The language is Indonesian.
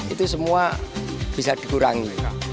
itu semua bisa dikurangi